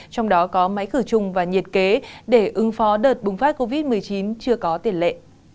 trong đó có máy khử trùng và nhiệt kế để ứng phó đợt bùng phát covid một mươi chín chưa có tiền lệ